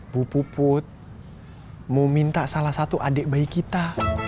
bu put mau minta salah satu adik bayi kita